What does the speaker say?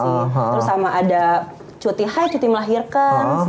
terus sama ada cuti hai cuti melahirkan